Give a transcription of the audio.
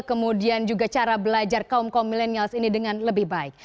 kemudian juga cara belajar kaum kaum milenials ini dengan lebih baik